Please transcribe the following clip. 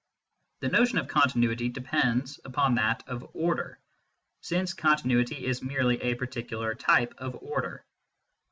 The notion of continuity depends upon that of order, since continuity is merely a particular type of order.